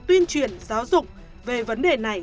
tuyên truyền giáo dục về vấn đề này